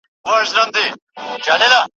په یوه شپه به پردي سي شته منۍ او نعمتونه